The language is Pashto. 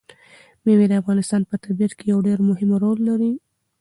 مېوې د افغانستان په طبیعت کې یو ډېر مهم رول لري.